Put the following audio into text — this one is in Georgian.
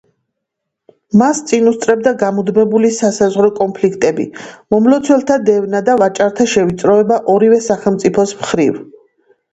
მას წინ უსწრებდა გამუდმებული სასაზღვრო კონფლიქტები, მომლოცველთა დევნა და ვაჭართა შევიწროება ორივე სახელმწიფოს მხრივ.